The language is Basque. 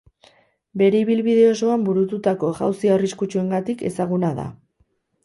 Bere ibilbide osoan burututako jauzi arriskutsuengatik ezaguna da.